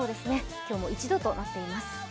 気温も１度となっています。